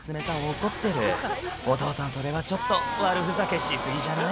怒ってるお父さんそれはちょっと悪ふざけし過ぎじゃない？